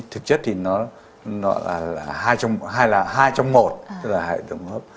thực chất thì nó là hai trong một là hệ thống hốp